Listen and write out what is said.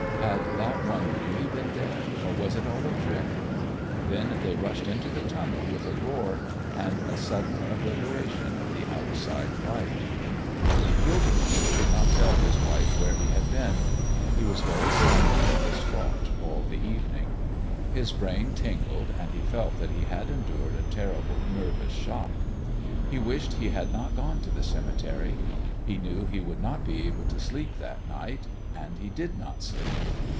Had that one really been dead, or was it all a trick? Then they rushed into the tunnel with a roar and a sudden obliteration of the outside light. Gilderman could not tell his wife where he had been. He was very silent and distraught all the evening. His brain tingled, and he felt that he had endured a terrible, nervous shock. He wished he had not gone to the cemetery. He knew he would not be able to sleep that night, and he did not sleep.